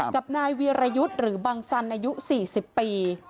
กับนายวีรยุทธ์หรือบังสันอายุ๔๐ปี